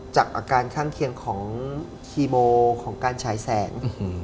จากอาการข้างเคียงของคีโมของการฉายแสง